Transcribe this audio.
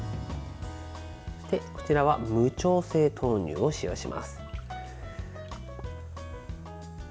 こちらは無調整豆乳を使用します。